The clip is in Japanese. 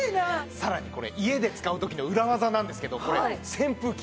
さらにこれ家で使う時の裏技なんですけどこれ扇風機。